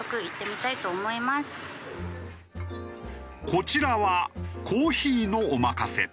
こちらはコーヒーのおまかせ。